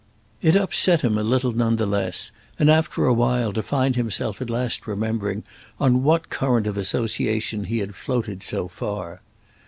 It upset him a little none the less and after a while to find himself at last remembering on what current of association he had been floated so far.